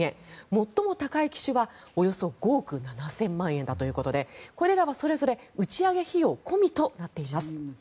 最も高い機種はおよそ５億７０００万円だということでこれらはそれぞれ打ち上げ費用込みとなっています。